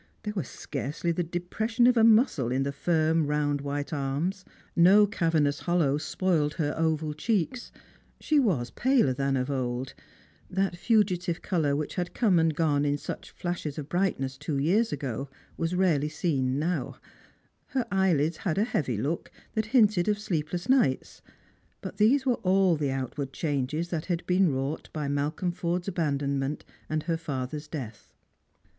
There was scarcely the 242 Strangers an^ Pilgrims. depression of a muscle in the firm round white arms, no cavernous hollows spoiled her oval cheeks. She was paler than of old ; that fugitive colour which had come and gone in such flashes of brightness two years ago was rarely seen now ; her eyelids had a heavy look that hinted of sleepless nights ; but these were all the outward changes that had been wrought by Malcolm Forde's abandonment and her father's death.